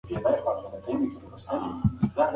واکمن امر وکړ چې جشن ترسره کړي.